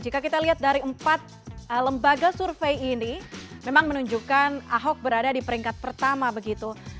jika kita lihat dari empat lembaga survei ini memang menunjukkan ahok berada di peringkat pertama begitu